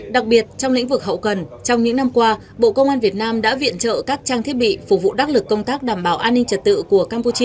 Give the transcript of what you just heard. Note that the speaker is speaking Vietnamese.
đặc biệt trong lĩnh vực hậu cần trong những năm qua bộ công an việt nam đã viện trợ các trang thiết bị phục vụ đắc lực công tác đảm bảo an ninh trật tự của campuchia